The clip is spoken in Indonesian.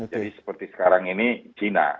jadi seperti sekarang ini china